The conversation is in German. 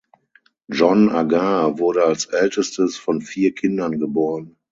John Agar wurde als ältestes von vier Kindern geboren.